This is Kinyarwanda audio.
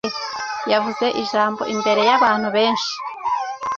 Yavuze ijambo imbere yabantu benshi.